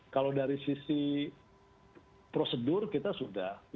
kalau dari sisi prosedur kita sudah